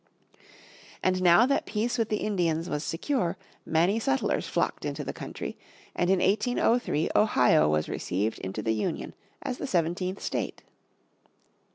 And now that peace with the Indians was secure, many settlers flocked into the country, and in 1893 Ohio was received into the Union as the seventeenth state.